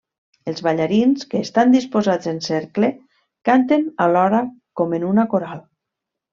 Els ballarins, que estan disposats en cercle, canten alhora com en una coral.